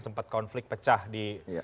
sempat konflik pecah di